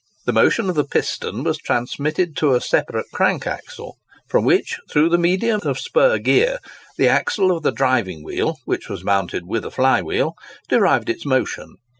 The motion of the piston was transmitted to a separate crank axle, from which, through the medium of spur gear, the axle of the driving wheel (which was mounted with a fly wheel) derived its motion.